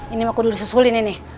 ini aku sudah disusulkan ini